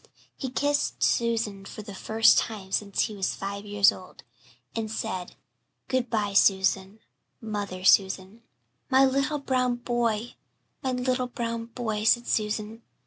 He kissed Susan for the first time since he was five years old, and said, "Good bye, Susan mother Susan." "My little brown boy my little brown boy," said Susan.